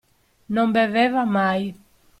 Non beveva mai.